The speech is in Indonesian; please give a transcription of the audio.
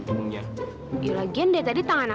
udah lihat dong